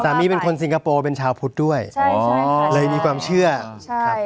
สามีเป็นคนซิงคโปร์เป็นชาวพุทธด้วยใช่ค่ะเลยมีความเชื่อใช่